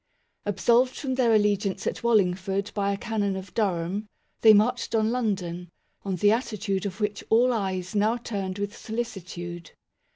Ab solved from their allegiance at Wallingford by a Canon of Durham, they marched on London, on the attitude of which all eyes now turned with solicitude.